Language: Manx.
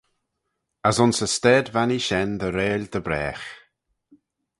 As ayns y staid vannee shen dy 'reill dy bragh.